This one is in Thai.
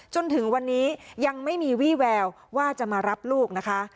จนถึงวันนี้ยังไม่มีวี่แววว่าจะมารับลูกนะคะ